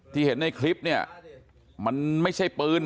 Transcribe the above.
ที่เห็นในคลิปเนี่ยมันไม่ใช่ปืน